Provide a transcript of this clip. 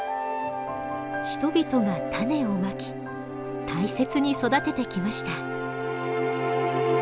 人々が種をまき大切に育ててきました。